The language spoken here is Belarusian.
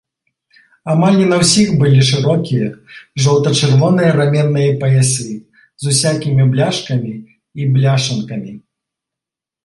Амаль не на ўсіх былі шырокія, жоўта-чырвоныя раменныя паясы, з усякімі бляшкамі і бляшанкамі.